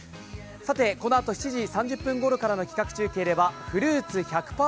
このあと７時３０分ごろからの企画中継では、フルーツ１００％